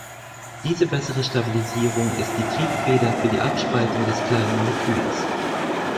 Diese bessere Stabilisierung ist die Triebfeder für die Abspaltung des kleinen Moleküls.